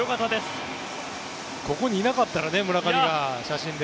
ここにいなかったらね村上が、写真で。